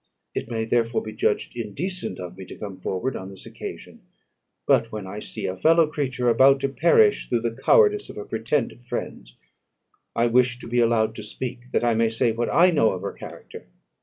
It may therefore be judged indecent in me to come forward on this occasion; but when I see a fellow creature about to perish through the cowardice of her pretended friends, I wish to be allowed to speak, that I may say what I know of her character.